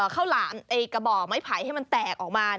ข้าวหลามกระบ่อไม้ไผ่ให้มันแตกออกมา